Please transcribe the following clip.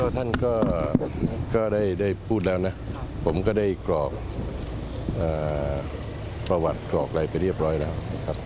ท่านก็ได้พูดแล้วนะผมก็ได้กรอกประวัติกรอกอะไรไปเรียบร้อยแล้วนะครับ